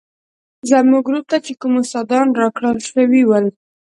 زموږ ګروپ ته چې کوم استادان راکړل شوي ول.